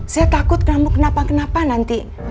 saya takut kamu kenapa kenapa nanti